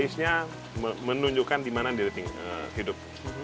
rasanya menunjukkan dimana hidup